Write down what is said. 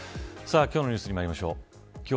では、今日のニュースにまいりましょう。